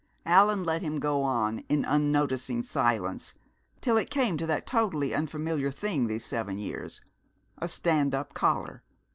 Allan let him go on in unnoticing silence till it came to that totally unfamiliar thing these seven years, a stand up collar.